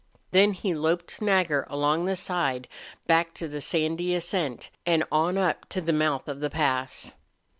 Then he loped Nagger along the side back to the sandy ascent, and on up to the mouth of the pass.